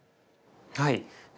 はい。